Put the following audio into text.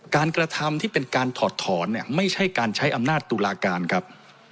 กระทำที่เป็นการถอดถอนเนี่ยไม่ใช่การใช้อำนาจตุลาการครับ